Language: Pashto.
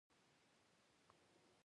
تر څو ورته څرګنده شي چې هغه حق دى.